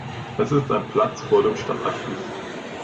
Es ist ein Platz vor dem Stadtarchiv.